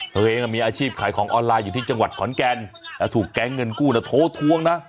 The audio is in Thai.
ตัวเองมีอาชีพขายของออนไลน์อยู่ที่จังหวัดขอนแก่นแล้วถูกแก๊งเงินกู้โทรทวงนะ